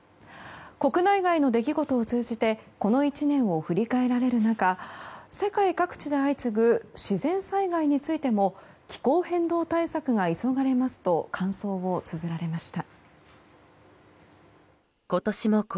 国内外の出来事を通じてこの１年を振り返られる中世界各地で相次ぐ自然災害についても気候変動対策が急がれますと感想をつづられました。